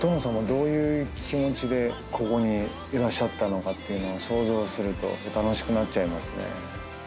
どういう気持ちでここにいらっしゃったのかというのを想像すると楽しくなっちゃいますね。